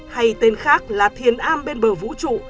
hay tên khác là thiên am bên bờ vũ trụ